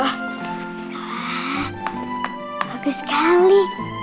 wah bagus sekali